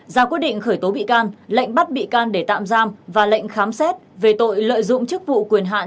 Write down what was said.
ra quyết định khởi tố bị can lệnh bắt bị can để tạm giam và lệnh khám xét về tội lợi dụng chức vụ quyền hạn